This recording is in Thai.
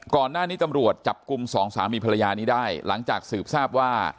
ก่อนหน้านี้ตำรวจจับกลุ่มสองสามีภรรยานี้ได้หลังจากสืบทราบว่า